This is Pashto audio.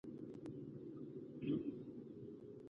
امیر کروړ سوري د پښتو ژبې لومړنی شعر ويلی